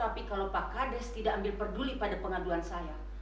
tapi kalau pak kades tidak ambil peduli pada pengaduan saya